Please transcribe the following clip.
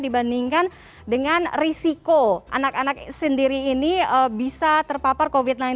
dibandingkan dengan risiko anak anak sendiri ini bisa terpapar covid sembilan belas